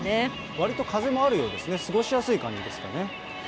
わりと風もあるようですね、過ごしやすい感じですかね。